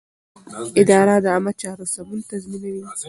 اداره د عامه چارو سمون تضمینوي.